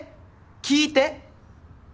聞いて！